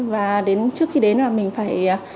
và trước khi đến là mình phải sắt còn đầy đủ